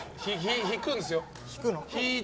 引くんですよ。